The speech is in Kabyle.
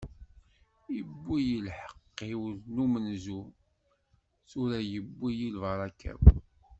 iwwi-yi lḥeqq-iw n umenzu, tura yewwi-yi lbaṛaka-w.